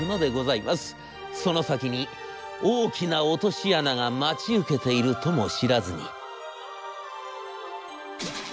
その先に大きな落とし穴が待ち受けているとも知らずに」。